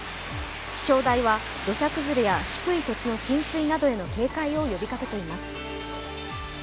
気象台は、土砂崩れや低い土地への浸水に警戒を呼びかけています。